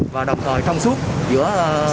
và đồng thời thông suốt giữa